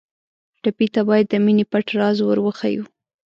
ټپي ته باید د مینې پټ راز ور وښیو.